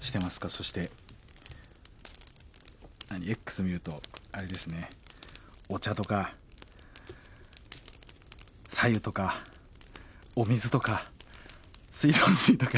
そしてＸ見るとあれですねお茶とか白湯とかお水とか水道水とか。